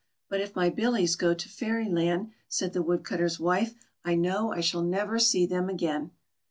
"But if my Billies goto Fairyland," said the Woodcutter's wife, " I know I shall never see them again."